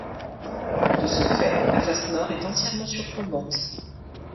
De ce fait, la face nord est entièrement surplombante.